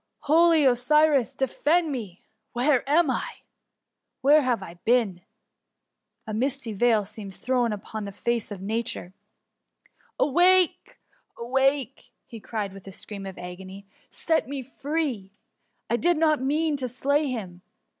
Holy Osiris, defend me ! where am I ? where have I been ? A misty veil seems thrown upon the face of nature. Awake, awake !^ THfi MUMMY. SdS cried he, with a scream of agony ;" set me free ; I did not mean to slay him